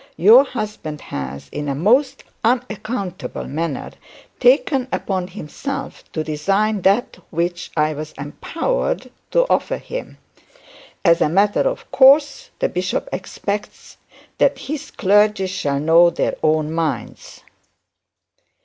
Your husband has, in a most unaccountable manner, taken upon himself to resign that which I was empowered to offer him. As a matter of course, the bishop expects that his clergy shall know their own minds.